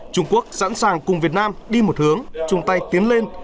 trung quốc sẵn sàng cùng việt nam đi một hướng chung tay tiến lên